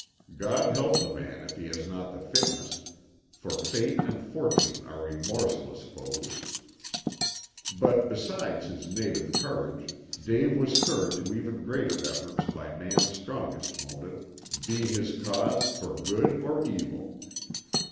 God help the man if he has not the fitness, for Fate and Fortune are remorseless foes. But besides his native courage, Dave was stirred to even greater efforts by man's strongest motive, be his cause for good or evil.